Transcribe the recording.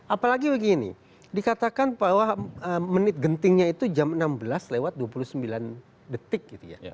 apalagi begini dikatakan bahwa menit gentingnya itu jam enam belas lewat dua puluh sembilan detik gitu ya